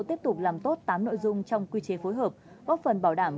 tiếp tục làm tốt tám nội dung trong quy chế phối hợp góp phần bảo đảm